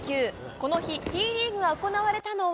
この日、Ｔリーグが行われたのは。